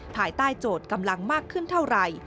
ภายใต้โจทย์กำลังมากขึ้นเท่าไหร่